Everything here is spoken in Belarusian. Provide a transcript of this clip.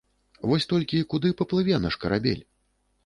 Вось толькі куды паплыве наш карабель?